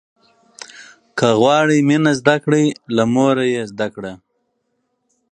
که غواړې مينه زده کړې، له موره يې زده کړه.